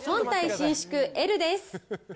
伸縮Ｌです。